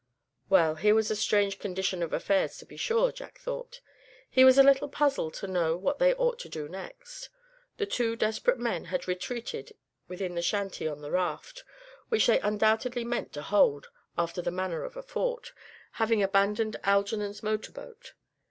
Well, here was a strange condition of affairs, to be sure, Jack thought. He was a little puzzled to know what they ought to do next. The two desperate men had retreated within the shanty on the raft, which they undoubtedly meant to hold, after the manner of a fort, having abandoned Algernon's motor boat.